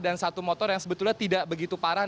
dan satu motor yang sebetulnya tidak begitu parah